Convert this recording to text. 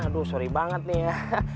aduh sorry banget nih ya